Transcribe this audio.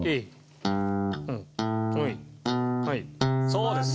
そうです。